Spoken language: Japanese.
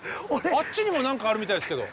あっちにも何かあるみたいっすけど。